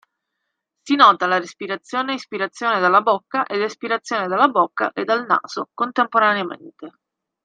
Si nota la respirazione ispirazione dalla bocca ed espirazione dalla bocca e dal naso (contemporaneamente).